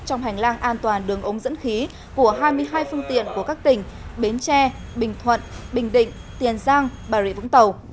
trong hành lang an toàn đường ống dẫn khí của hai mươi hai phương tiện của các tỉnh bến tre bình thuận bình định tiền giang bà rịa vũng tàu